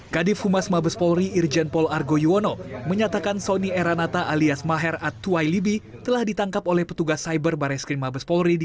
kediaman mabes polri